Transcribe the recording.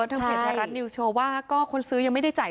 ทางเพจไทยรัฐนิวสโชว์ว่าก็คนซื้อยังไม่ได้จ่าย